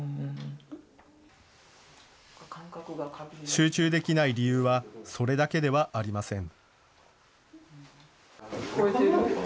集中できない理由はそれだけではありません。